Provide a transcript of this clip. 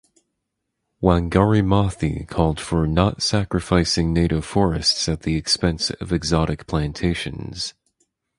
Wangari Maathai called for "not sacrificing native forests at the expense of exotic plantations".